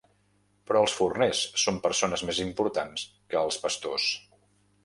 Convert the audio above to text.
Però els forners són persones més importants que els pastors.